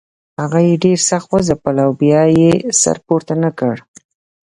هغه یې ډېر سخت وځپل او بیا یې سر پورته نه کړ.